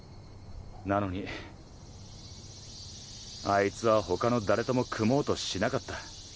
なのにあいつは他の誰とも組もうとしなかった。